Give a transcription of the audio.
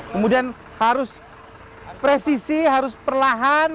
kemudian harus presisi harus perlahan